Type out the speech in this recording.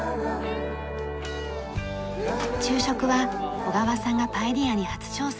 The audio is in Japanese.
昼食は小川さんがパエリアに初挑戦。